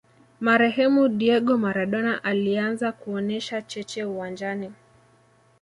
marehemu diego maradona alianza kuonesha cheche uwanjani